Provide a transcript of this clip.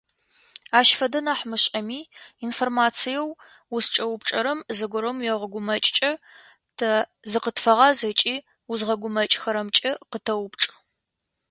Ащ фэдэ нахь мышӏэми, информациеу узкӏэупчӏэрэм зыгорэм уегъэгумэкӏмэ, тэ зыкъытфэгъаз ыкӏи узгъэгумэкӏхэрэмкӏэ къытэупчӏ.